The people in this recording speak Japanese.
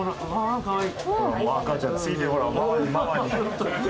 かわいい！